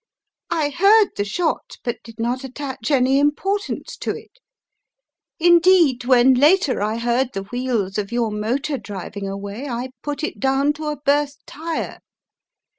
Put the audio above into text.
I heard the shot, but did not attach any importance to it. Indeed, when later I heard the wheels of your motor driving away I put it down to a burst tire.